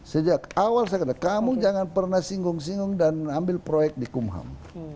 sejak awal saya katakan kamu jangan pernah singgung singgung dan ambil proyek di kumham